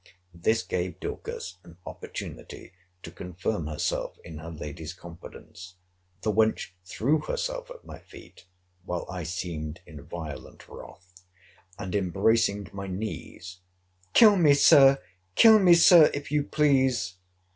— This gave Dorcas an opportunity to confirm herself in her lady's confidence: the wench threw herself at my feet, while I seemed in violent wrath; and embracing my knees, Kill me, Sir, kill me, Sir, if you please!